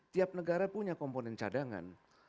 tiap negara punya komponen cadangan